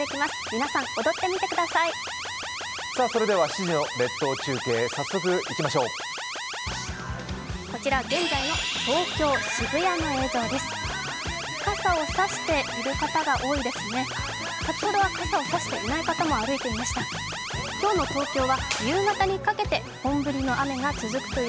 皆さん、踊ってみてください。